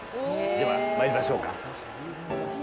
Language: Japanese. では、参りましょうか。